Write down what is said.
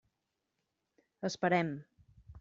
Esperem.